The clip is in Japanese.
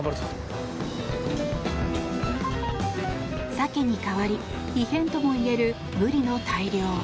サケに代わり異変ともいえるブリの大漁。